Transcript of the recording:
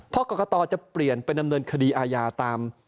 เพราะกรกตจะเปลี่ยนเป็นดำเนินคดีอาญาตาม